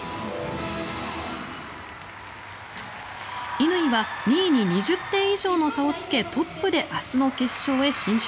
乾は２位に２０点以上の差をつけトップで明日の決勝へ進出。